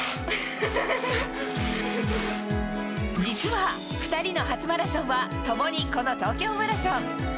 実は、２人の初マラソンは共にこの東京マラソン。